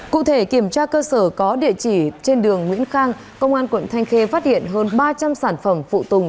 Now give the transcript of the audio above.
cụ thể kiểm tra cơ sở có địa chỉ trên đường nguyễn khang công an quận thanh khê phát hiện hơn ba trăm linh sản phẩm phụ tùng